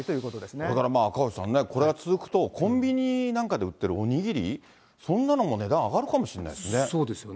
それからまあ、赤星さんね、これが続くと、コンビニなんかで売ってるお握り、そんなのも値段上がるかもしれないですよね。